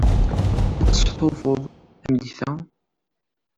Ad testufuḍ tameddit-a?